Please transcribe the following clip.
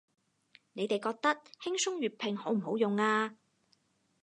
你哋覺得輕鬆粵拼好唔好用啊